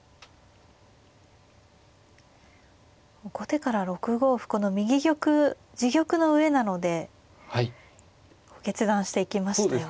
後手からは６五歩この右玉自玉の上なので決断していきましたよね。